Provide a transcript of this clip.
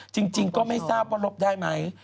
จริงก็ไม่ทราบว่าลบได้ไหม